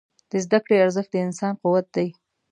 د زده کړې ارزښت د انسان قوت دی.